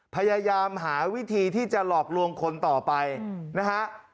พยายามหาวิธีที่จะหลอกลวงคนต่อไปนะฮะ